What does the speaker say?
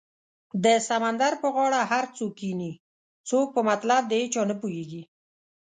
د سمندر په غاړه هر څوک کینې څوک په مطلب د هیچا نه پوهیږې